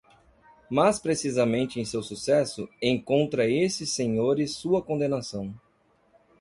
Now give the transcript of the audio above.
Mas precisamente em seu sucesso, encontra esses senhores sua condenação.